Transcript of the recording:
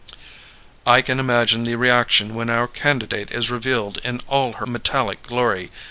"I can imagine the reaction when our candidate is revealed in all her metallic glory.